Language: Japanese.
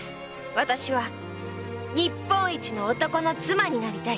私は日本一の男の妻になりたい。